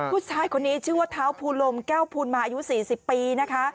ผู้ชายคนนี้ชื่อว่าเท้าภูลมแก้วภูลมาอายุ๔๐ปีนะคะ